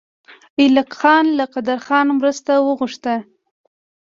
ایلک خان له قدرخان مرسته وغوښته.